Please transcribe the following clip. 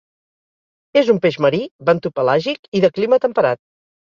És un peix marí, bentopelàgic i de clima temperat.